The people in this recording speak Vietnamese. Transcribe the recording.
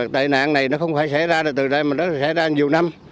tệ nạn này nó không phải xảy ra từ đây mà nó xảy ra nhiều năm